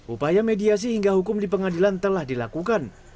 upaya mediasi hingga hukum di pengadilan telah dilakukan